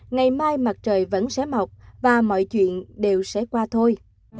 ngày mai mặt trời vẫn sẽ mọc và mọi chuyện đều sẽ qua thôi